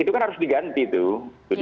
itu kan harus diganti tuh